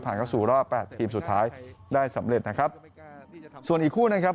เข้าสู่รอบแปดทีมสุดท้ายได้สำเร็จนะครับส่วนอีกคู่นะครับ